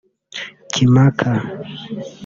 Kimaka